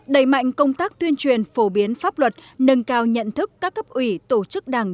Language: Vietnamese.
đẩy mạnh công tác tuyên truyền phổ biến pháp luật nâng cao nhận thức các cấp ủy tổ chức đảng